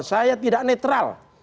saya tidak netral